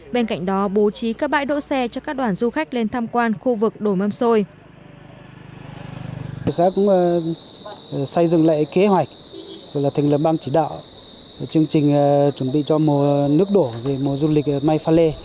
bên cạnh đó bố trí các bãi đỗ xe cho các đoàn du khách lên tham quan khu vực đồ mâm xôi